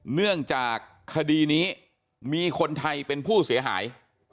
เนื่องจากคดีนี้มีคนไทยเป็นผู้เสียหาย